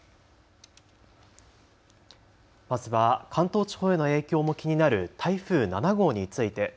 まずは関東地方への影響も気になる台風７号について。